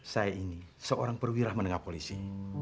saya ini seorang perwira menengah polisi